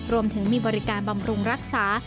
รวมถึงมีบริการบำรุงรักษา